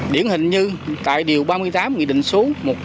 điển hình như tại điều ba mươi tám nghị định số một trăm ba mươi chín